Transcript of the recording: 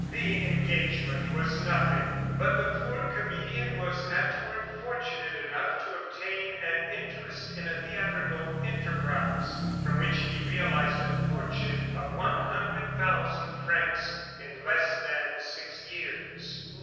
The engagement was nothing; but the poor comedian was afterward fortunate enough to obtain an interest in a theatrical enterprise, from which he realized a fortune of one hundred thousand francs in less than six years.